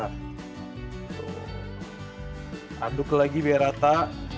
aduk lagi biar rata